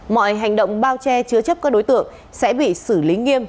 mọi hành động bao che chứa chấp các đối tượng sẽ bị xử lý nghiêm